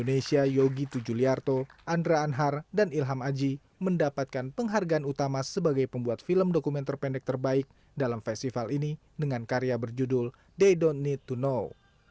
indonesia yogi tujuliarto andra anhar dan ilham aji mendapatkan penghargaan utama sebagai pembuat film dokumenter pendek terbaik dalam festival ini dengan karya berjudul day dot need to know